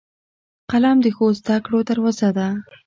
قلم د ښو زدهکړو دروازه ده